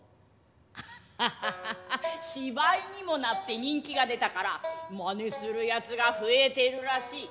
ハハハハ芝居にもなって人気が出たから真似するやつが増えてるらしい。